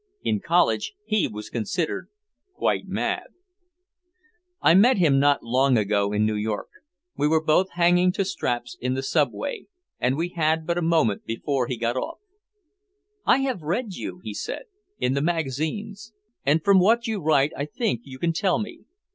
In college he was considered quite mad. I met him not long ago in New York. We were both hanging to straps in the subway and we had but a moment before he got off. "I have read you," he said, "in the magazines. And from what you write I think you can tell me.